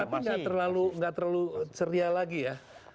tapi nggak terlalu ceria lagi ya